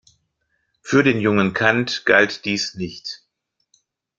Für den jungen Kant galt dies nicht.